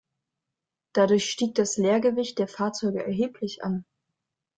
Dadurch stieg das Leergewicht der Fahrzeuge erheblich an.